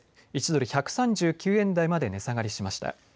１ドル１３９円台まで値下がりしました。